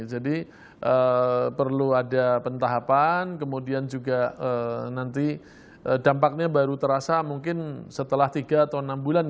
jadi perlu ada pentahapan kemudian juga nanti dampaknya baru terasa mungkin setelah tiga atau enam bulan